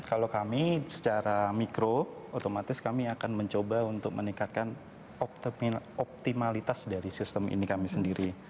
kalau kami secara mikro otomatis kami akan mencoba untuk meningkatkan optimalitas dari sistem ini kami sendiri